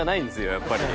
やっぱり。